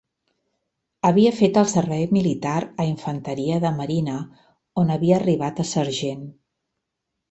Havia fet el servei militar a Infanteria de Marina on havia arribat a sergent.